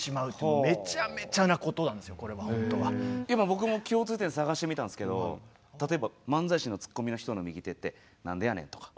今僕も共通点探してみたんすけど例えば漫才師のツッコミの人の右手ってなんでやねんとか。